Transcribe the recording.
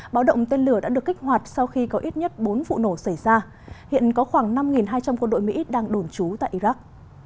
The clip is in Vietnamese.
báo động tên lửa đã được kích hoạt sau khi có ít nhất bốn vụ nổ xảy ra hiện có khoảng năm hai trăm linh quân đội mỹ đang đồn trú tại iraq